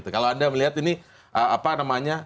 kalau anda melihat ini apa namanya